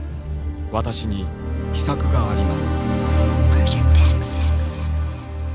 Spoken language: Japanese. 私に秘策があります」。